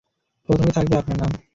প্রথমে থাকবে আপনার নাম!